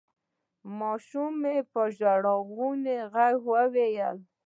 ماشومې په ژړغوني غږ وویل: